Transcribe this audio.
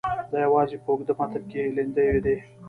دا یوازې په اوږده متن کې لیندیو دي.